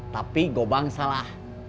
tapi gobang salah